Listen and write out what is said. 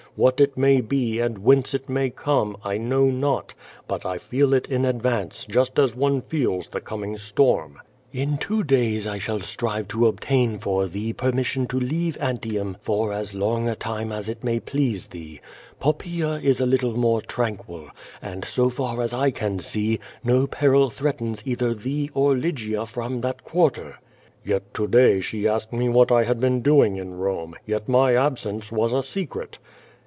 What it may be and whence it may come, I know not, but I feel it in advance just as one feels the coming storm." 298 C'^0 VADIIS. "In two days I shall strive to obtain for thee permission to leave Antium for as long a time as it may please thee. Pop paea is a little more tranquil, and, so far as 1 can see, no peril threatens either thee or Lygia from that quarter." "Yet to day she asked me what 1 had been doing in Eome, yet my absence was a secret."